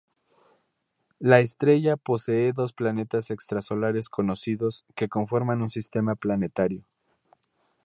La estrella posee dos planetas extrasolares conocidos, que conforman un sistema planetario.